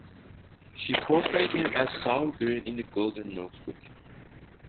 She portrayed him as "Saul Green" in "The Golden Notebook.